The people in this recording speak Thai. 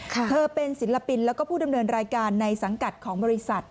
เธอเป็นศิลปินแล้วก็ผู้ดำเนินรายการในสังกัดของบริษัท